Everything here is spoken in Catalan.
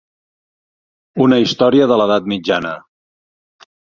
Una història de l'Edat Mitjana.